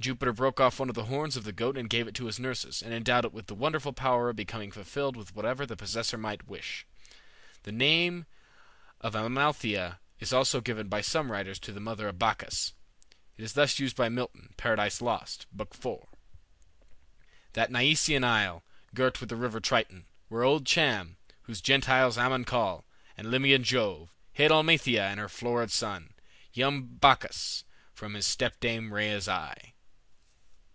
Jupiter broke off one of the horns of the goat and gave it to his nurses, and endowed it with the wonderful power of becoming filled with whatever the possessor might wish. The name of Amalthea is also given by some writers to the mother of Bacchus. It is thus used by Milton, "Paradise Lost," Book IV.: "... That Nyseian isle, Girt with the river Triton, where old Cham, Whom Gentiles Ammon call, and Libyan Jove, Hid Amalthea and her florid son, Young Bacchus, from his stepdame Rhea's eye."